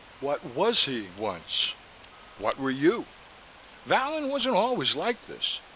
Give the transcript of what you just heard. "What was he once? What were you? Vallon wasn't always like this.